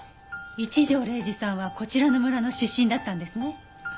一条礼司さんはこちらの村の出身だったんですね。